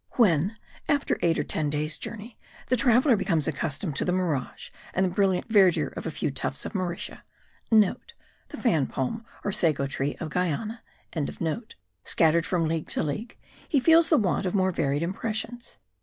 When, after eight or ten days' journey, the traveller becomes accustomed to the mirage and the brilliant verdure of a few tufts of mauritia* (* The fan palm, or sago tree of Guiana.) scattered from league to league, he feels the want of more varied impressions.